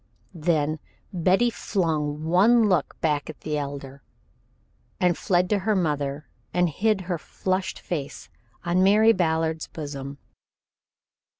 Then Betty flung one look back at the Elder, and fled to her mother and hid her flushed face on Mary Ballard's bosom.